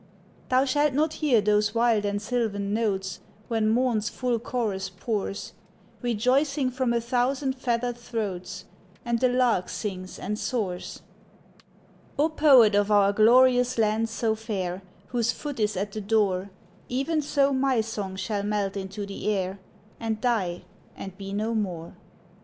Thou shalt not hear those wild and sylvan notes When morn's full chorus pours Rejoicing from a thousand feathered throats, And the lark sings and soars, Oh poet of our glorious land so fair, Whose foot is at the door; Even so my song shall melt into the air, And die and be no more.